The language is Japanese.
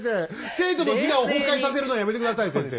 生徒の自我を崩壊させるのやめて下さい先生。